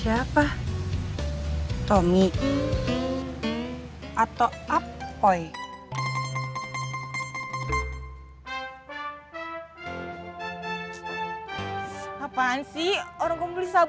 udah ga ada yang ngeliat